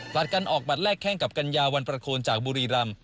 ตัดกันออกบัตรแรกแข้งกับกัญญาวันประโคนจากบุรีรำ